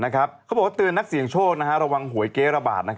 เขาบอกว่าเตือนนักเสี่ยงโชคระวังหวยเก๊ระบาด